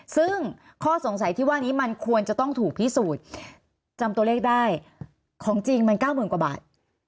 ซึ่งข้อสงสัยที่ว่านี้มันควรจะต้องถูกพิสูจน์จำตัวเลขได้ของจริงมัน๙๐๐กว่าบาท